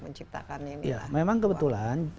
menciptakan ini memang kebetulan